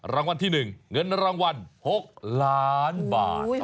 รางวัลที่๑เงินรางวัล๖ล้านบาท